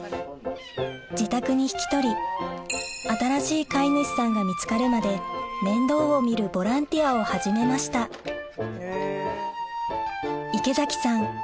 自宅に引き取り新しい飼い主さんが見つかるまで面倒を見るボランティアを始めました池崎さん